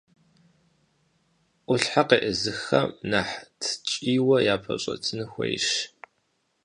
Ӏулъхьэ къеӀызыххэм, нэхъ ткӀийуэ япэщӀэтын хуейщ.